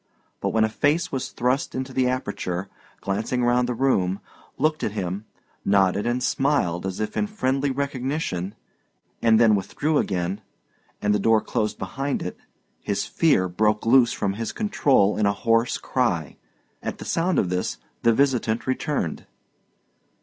But when a face was thrust into the aperture, glanced round the room, looked at him, nodded and smiled as if in friendly recognition, and then withdrew again, and the door closed behind it, his fear broke loose from his control in a hoarse cry. At the sound of this the visitant returned.